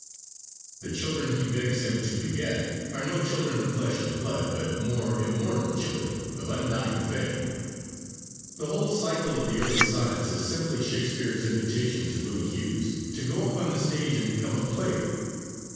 The children he begs him to beget are no children of flesh and blood, but more immortal children of undying fame. The whole cycle of the early sonnets is simply Shakespeare's invitation to Willie Hughes to go upon the stage and become a player.